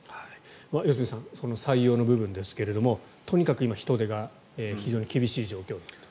良純さん採用の部分ですがとにかく今人手が厳しい状況だと。